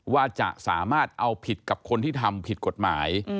ว่าจะสามารถเอาผิดกับคนที่ทำผิดกฎหมาย